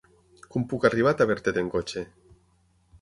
Com puc arribar a Tavertet amb cotxe?